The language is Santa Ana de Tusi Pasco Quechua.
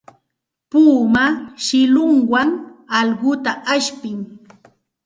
Puma shillunwan allquta ashpin.